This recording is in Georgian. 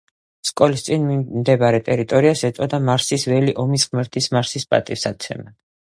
სკოლის წინ მდებარე ტერიტორიას ეწოდა მარსის ველი ომის ღმერთის მარსის პატივსაცემად.